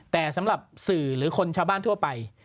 แต่สำหรับสื่อหรือคนชาวบ้านทั่วไป